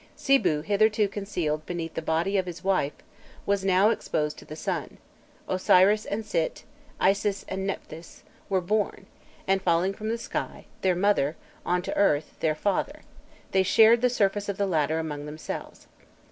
Sîbû, hitherto concealed beneath the body of his wife, was now exposed to the sun; Osiris and Sit, Isis and Nephthys, were born, and, falling from the sky, their mother, on to the earth, their father, they shared the surface of the latter among themselves.